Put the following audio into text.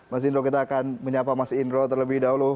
mas indro kita akan menyapa mas indro terlebih dahulu